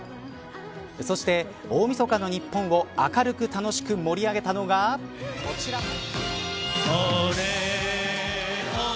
そして、大みそかの日本を明るく楽しく盛り上げたのがこちら。